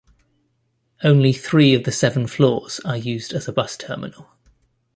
Only three of the seven floors are used as a bus terminal.